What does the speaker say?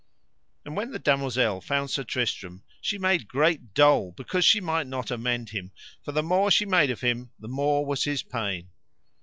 And when the damosel found Sir Tristram she made great dole because she might not amend him, for the more she made of him the more was his pain.